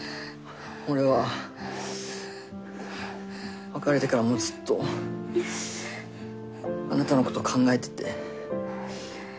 俺は別れてからもずっとあなたのこと考えてて。